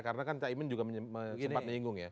karena kan caimin juga sempat diingung ya